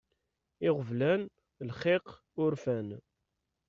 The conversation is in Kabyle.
Iɣeblan, lxiq, urfan.